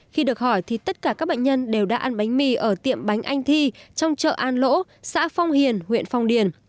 khi được hỏi thì tất cả các bệnh nhân đều đã ăn bánh mì ở tiệm bánh anh thi trong chợ an lỗ xã phong hiền huyện phong điền